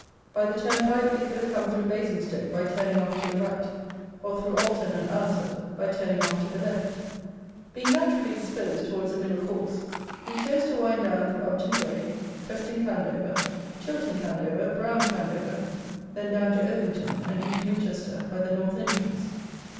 By the turnpike we could have come through Basingstoke by turning off to the right, or through Alton and Alresford by turning off to the left. Being naturally disposed towards a middle course, we chose to wind down through Upton Gray, Preston Candover, Chilton Candover, Brown Candover, then down to Ovington, and into Winchester by the north entrance.